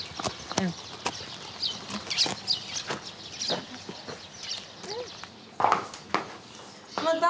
うん。また？